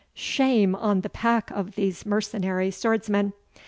Shame on the pack of these mercenary swordmen!